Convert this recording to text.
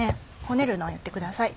こねるのをやってください